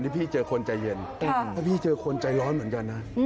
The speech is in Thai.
พี่เจอคนใจเย็นถ้าพี่เจอคนใจร้อนเหมือนกันนะ